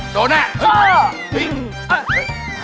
โดนแหละ